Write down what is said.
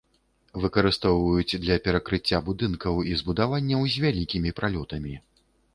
Выкарыстоўваюць для перакрыцця будынкаў і збудаванняў з вялікімі пралётамі.